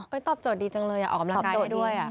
ตอบโจทย์ดีจังเลยออกกำลังกายด้วย